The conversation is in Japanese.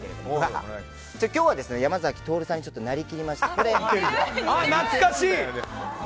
今日は山咲トオルさんになりきりまして。